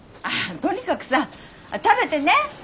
あとにかくさ食べてね。